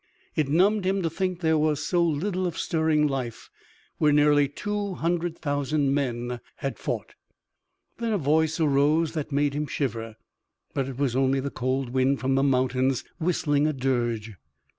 It numbed him to think there was so little of stirring life, where nearly two hundred thousand men had fought. Then a voice arose that made him shiver. But it was only the cold wind from the mountains whistling a dirge.